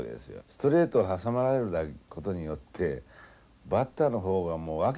ストレートを挟まれることによってバッターの方はもう訳分からなくなるわけですよ。